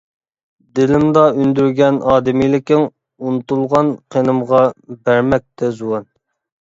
دىلىمدا ئۈندۈرگەن ئادىمىيلىكىڭ، ئۇنتۇلغان قېنىمغا بەرمەكتە زۇۋان.